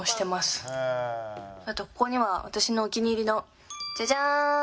あとここには私のお気に入りのジャジャーン！